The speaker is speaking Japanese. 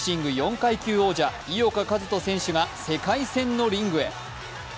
階級王者・井岡一翔選手が世界戦のリングへ。